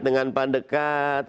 dengan pan dekat